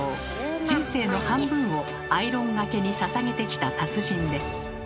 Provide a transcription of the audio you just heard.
人生の半分をアイロンがけにささげてきた達人です。